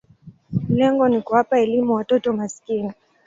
Lengo ni kuwapa elimu watoto maskini.